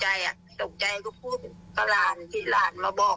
แบบตกใจดูพูดกระหลานที่หลานมาบอก